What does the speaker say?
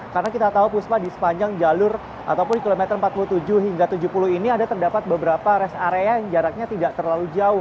karena kita tahu puspa di sepanjang jalur ataupun di kilometer empat puluh tujuh hingga tujuh puluh ini ada terdapat beberapa rest area yang jaraknya tidak terlalu jauh